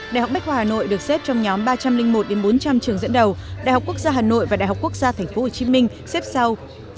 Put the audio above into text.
đại học bách khoa hà nội được xếp trong nhóm ba trăm linh một bốn trăm linh trường dẫn đầu đại học quốc gia hà nội và đại học quốc gia thành phố hồ chí minh xếp sau